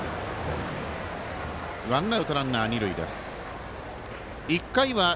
ワンアウト、ランナー二塁です。